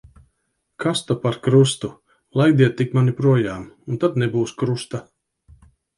Kas ta par krustu. Laidiet tik mani projām, un tad nebūs krusta.